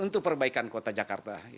untuk perbaikan kota jakarta